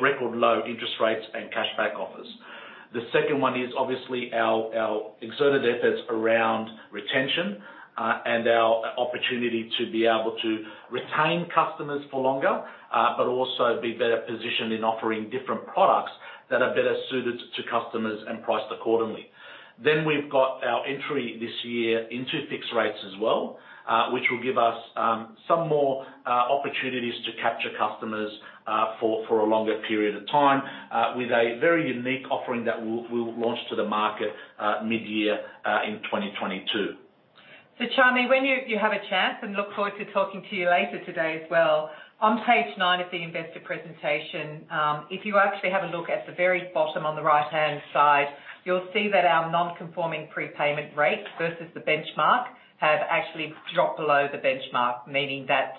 record low interest rates and cashback offers. The second one is obviously our exerted efforts around retention and our opportunity to be able to retain customers for longer, but also be better positioned in offering different products that are better suited to customers and priced accordingly. We've got our entry this year into fixed rates as well, which will give us some more opportunities to capture customers for a longer period of time with a very unique offering that we'll launch to the market mid-year in 2022. Chami, when you have a chance, and look forward to talking to you later today as well, on page nine of the investor presentation, if you actually have a look at the very bottom on the right-hand side, you'll see that our non-conforming prepayment rates versus the benchmark have actually dropped below the benchmark, meaning that,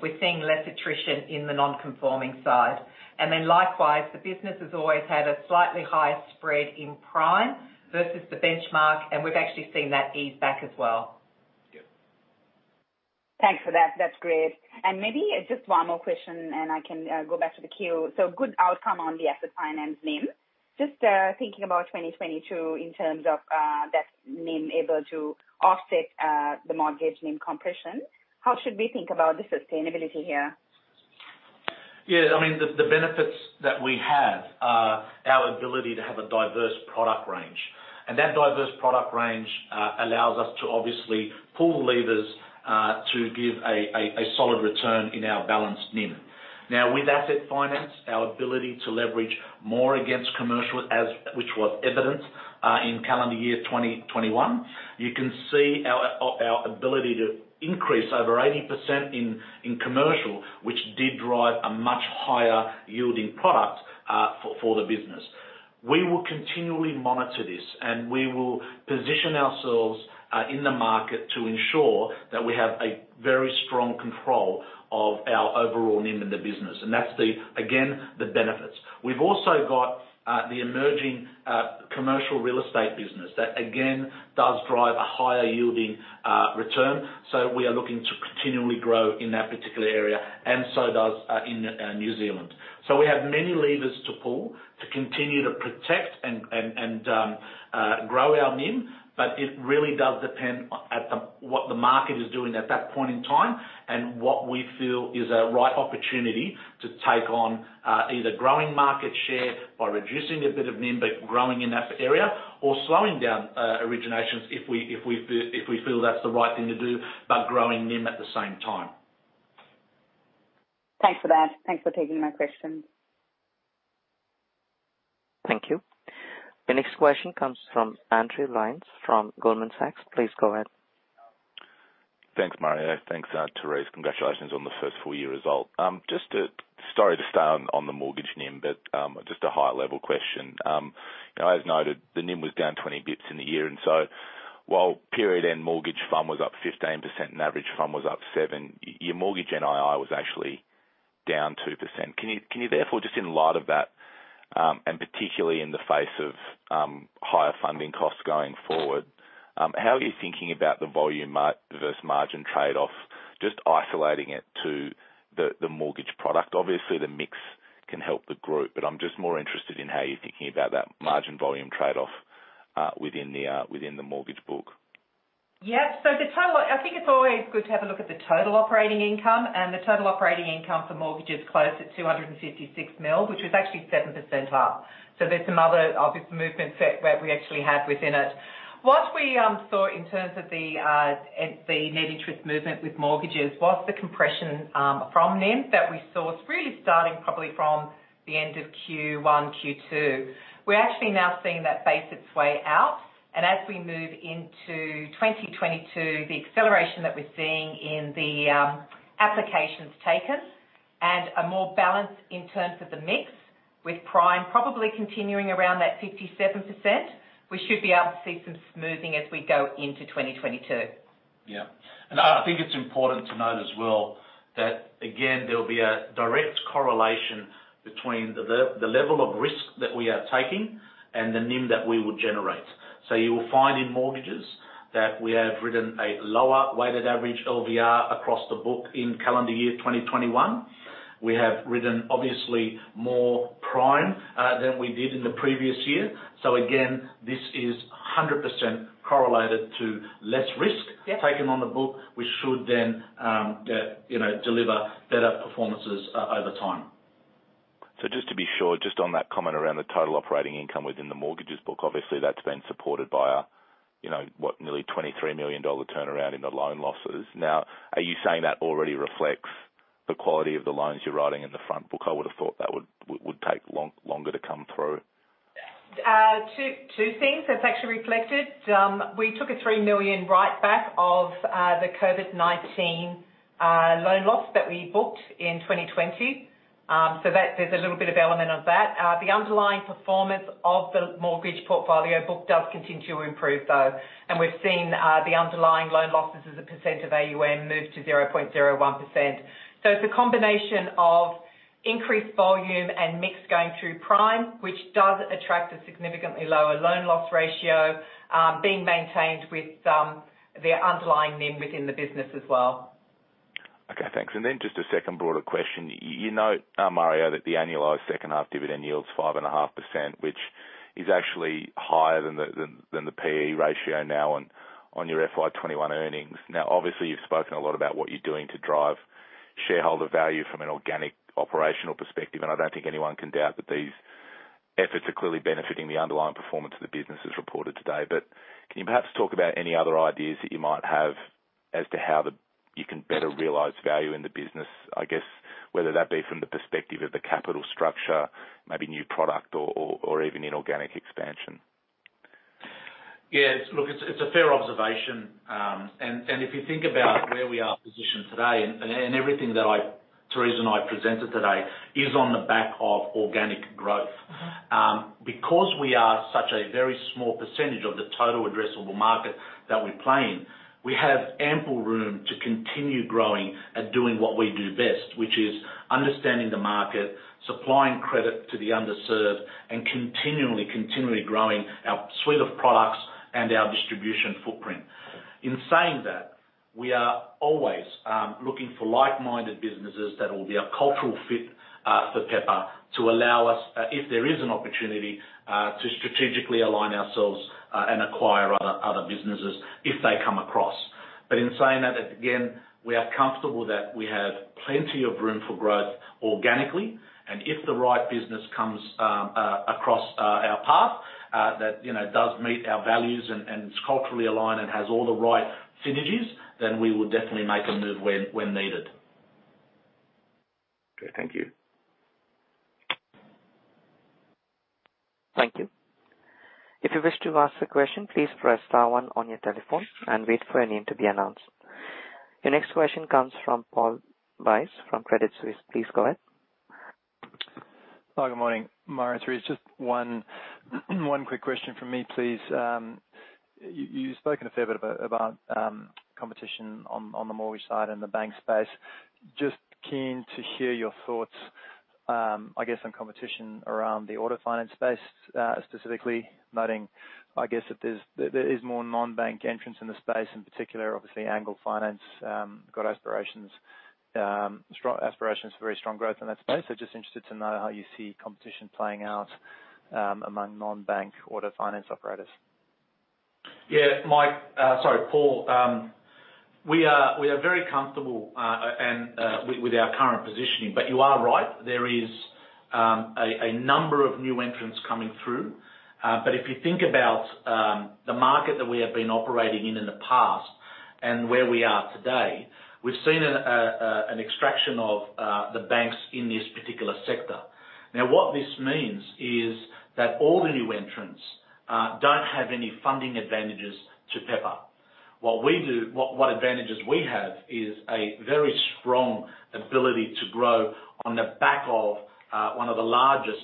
we're seeing less attrition in the non-conforming side. Likewise, the business has always had a slightly higher spread in prime versus the benchmark, and we've actually seen that ease back as well. Yeah. Thanks for that. That's great. Maybe just one more question and I can go back to the queue. Good outcome on the asset finance NIM. Just thinking about 2022 in terms of that NIM able to offset the mortgage NIM compression, how should we think about the sustainability here? Yeah, I mean, the benefits that we have are our ability to have a diverse product range. That diverse product range allows us to obviously pull the levers to give a solid return in our balanced NIM. Now, with asset finance, our ability to leverage more against commercial, which was evident in calendar year 2021. You can see our ability to increase over 80% in commercial, which did drive a much higher yielding product for the business. We will continually monitor this, and we will position ourselves in the market to ensure that we have a very strong control of our overall NIM in the business. That's again the benefits. We've also got the emerging commercial real estate business that again does drive a higher yielding return. We are looking to continually grow in that particular area and so does in New Zealand. We have many levers to pull to continue to protect and grow our NIM, but it really does depend on what the market is doing at that point in time, and what we feel is a right opportunity to take on, either growing market share by reducing a bit of NIM, but growing in that area, or slowing down originations if we feel that's the right thing to do, but growing NIM at the same time. Thanks for that. Thanks for taking my question. Thank you. The next question comes from Andrew Lyons from Goldman Sachs. Please go ahead. Thanks, Mario. Thanks, Therese. Congratulations on the first full year result. Sorry to start on the mortgage NIM, but just a high level question. As noted, the NIM was down 20 basis points in the year, while period-end mortgage fund was up 15% and average fund was up 7%, your mortgage NII was actually down 2%. Can you therefore just in light of that, and particularly in the face of higher funding costs going forward, how are you thinking about the volume versus margin trade-off, just isolating it to the mortgage product? Obviously, the mix can help the group, but I'm just more interested in how you're thinking about that margin volume trade-off within the mortgage book. I think it's always good to have a look at the total operating income, and the total operating income for mortgage is close at 256 million, which was actually 7% up. There's some other obvious movements that we actually have within it. What we saw in terms of the net interest movement with mortgages, while the compression from NIM that we saw is really starting probably from the end of Q1, Q2. We're actually now seeing that abates its way out. As we move into 2022, the acceleration that we're seeing in the applications taken and a more balanced in terms of the mix, with prime probably continuing around that 57%, we should be able to see some smoothing as we go into 2022. Yeah. I think it's important to note as well that again, there'll be a direct correlation between the level of risk that we are taking and the NIM that we will generate. You will find in mortgages that we have written a lower weighted average LVR across the book in calendar year 2021. We have written obviously more prime than we did in the previous year. Again, this is 100% correlated to less risk. Yeah. Taken on the book. We should then, you know, deliver better performances over time. Just to be sure, just on that comment around the total operating income within the mortgages book, obviously, that's been supported by, you know, what, nearly 23 million dollar turnaround in the loan losses. Now, are you saying that already reflects the quality of the loans you're writing in the front book? I would have thought that would take longer to come through. Two things that's actually reflected. We took a 3 million write back of the COVID-19 loan loss that we booked in 2020. So that there's a little bit of element of that. The underlying performance of the mortgage portfolio book does continue to improve, though. We've seen the underlying loan losses as a % of AUM move to 0.01%. It's a combination of increased volume and mix going through prime, which does attract a significantly lower loan loss ratio, being maintained with the underlying NIM within the business as well. Okay, thanks. Just a second broader question. You note, Mario, that the annualized second half dividend yield is 5.5%, which is actually higher than the P/E ratio now on your FY 2021 earnings. Now, obviously, you've spoken a lot about what you're doing to drive shareholder value from an organic operational perspective, and I don't think anyone can doubt that these efforts are clearly benefiting the underlying performance of the business as reported today. Can you perhaps talk about any other ideas that you might have as to how you can better realize value in the business, I guess, whether that be from the perspective of the capital structure, maybe new product or even inorganic expansion? Yeah, look, it's a fair observation. If you think about where we are positioned today and everything that I, Therese and I presented today is on the back of organic growth. Because we are such a very small percentage of the total addressable market that we play in, we have ample room to continue growing and doing what we do best, which is understanding the market, supplying credit to the underserved, and continually growing our suite of products and our distribution footprint. In saying that, we are always looking for like-minded businesses that will be a cultural fit for Pepper to allow us, if there is an opportunity, to strategically align ourselves and acquire other businesses if they come across. In saying that, again, we are comfortable that we have plenty of room for growth organically, and if the right business comes across our path, that you know does meet our values and is culturally aligned and has all the right synergies, then we will definitely make a move when needed. Okay. Thank you. If you wish to ask a question, please press star one on your telephone and wait for your name to be announced. Your next question comes from Paul Bice from Credit Suisse. Please go ahead. Hi, good morning, Mario, Therese. Just one quick question from me, please. You've spoken a fair bit about competition on the mortgage side and the bank space. Just keen to hear your thoughts, I guess, on competition around the auto finance space, specifically noting, I guess, that there is more non-bank entrants in the space, in particular obviously Angle Finance got aspirations, strong aspirations for very strong growth in that space. Just interested to know how you see competition playing out among non-bank auto finance operators. Yeah. Mike, sorry, Paul, we are very comfortable with our current positioning. You are right. There is a number of new entrants coming through. If you think about the market that we have been operating in the past and where we are today, we've seen an extraction of the banks in this particular sector. Now, what this means is that all the new entrants don't have any funding advantages to Pepper. What we do... What advantages we have is a very strong ability to grow on the back of one of the largest,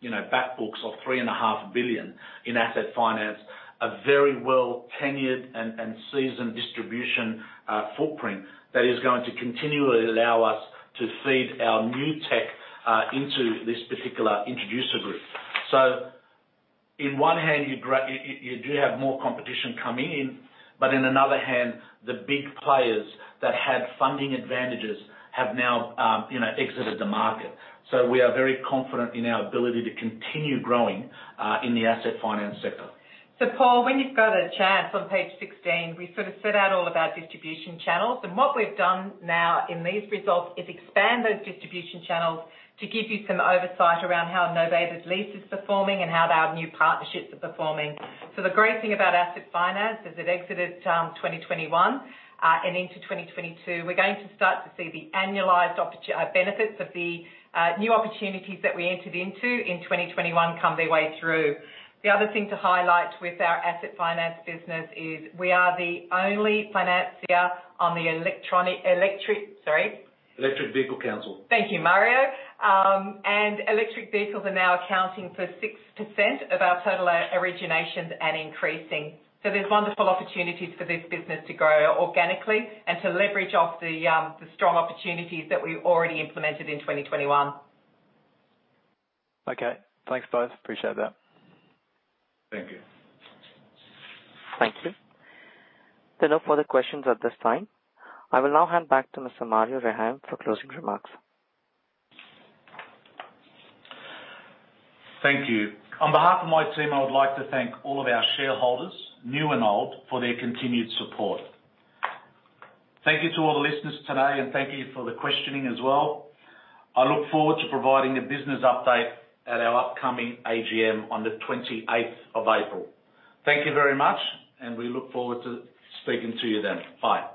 you know, back books of 3.5 billion in asset finance, a very well tenured and seasoned distribution footprint that is going to continually allow us to feed our new tech into this particular introducer group. In one hand, you do have more competition coming in, but in another hand, the big players that had funding advantages have now, you know, exited the market. We are very confident in our ability to continue growing in the asset finance sector. Paul, when you've got a chance, on page 16, we sort of set out all of our distribution channels, and what we've done now in these results is expand those distribution channels to give you some oversight around how novated lease is performing and how our new partnerships are performing. The great thing about asset finance as it exited 2021 and into 2022, we're going to start to see the annualized benefits of the new opportunities that we entered into in 2021 come their way through. The other thing to highlight with our asset finance business is we are the only financier on the electric. Electric Vehicle Council. Thank you, Mario. Electric vehicles are now accounting for 6% of our total originations and increasing. There's wonderful opportunities for this business to grow organically and to leverage off the strong opportunities that we've already implemented in 2021. Okay. Thanks, guys. Appreciate that. Thank you. Thank you. There are no further questions at this time. I will now hand back to Mr. Mario Rehayem for closing remarks. Thank you. On behalf of my team, I would like to thank all of our shareholders, new and old, for their continued support. Thank you to all the listeners today, and thank you for the questioning as well. I look forward to providing a business update at our upcoming AGM on the twenty-eighth of April. Thank you very much, and we look forward to speaking to you then. Bye.